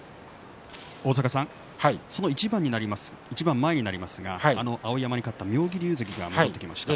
その一番前になりますが碧山に勝った妙義龍関が戻ってきました。